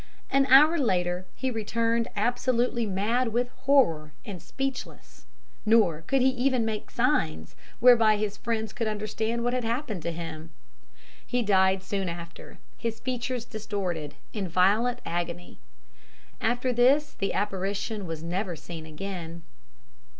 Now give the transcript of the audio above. An hour later, he returned absolutely mad with horror, and speechless; nor could he even make signs, whereby his friends could understand what had happened to him. He died soon after his features distorted in violent agony. After this the apparition was never seen again.